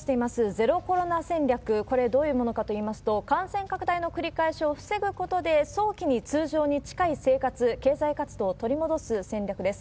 ＺＥＲＯコロナ戦略、これ、どういうものかといいますと、感染拡大の繰り返しを防ぐことで、早期に通常に近い生活、経済活動を取り戻す戦略です。